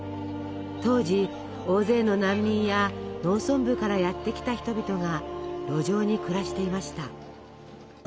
当時大勢の難民や農村部からやって来た人々が路上に暮らしていました。